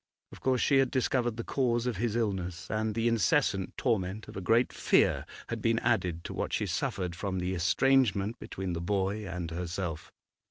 Of course she had discovered the cause of his illness, and the incessant torment of a great fear had been added to what she suffered from the estrangement between the boy and herself.